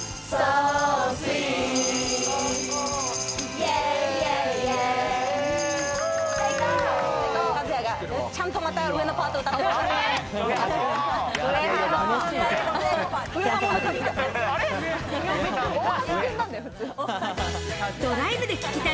和也がちゃんとまた上のパートを歌ってくれた。